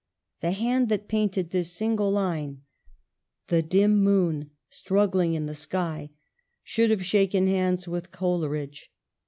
The hand that painted this single line, " The dim moon struggling in the sky," should have shaken hands with Coleridge.